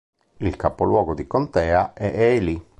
Il capoluogo di contea è Ely.